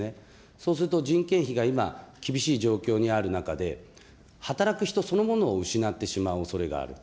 そうすると人件費が今、厳しい状況にある中で、働く人そのものを失ってしまうおそれがある。